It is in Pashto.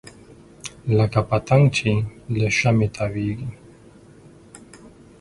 لکه پتنګ چې له شمعې تاویږي.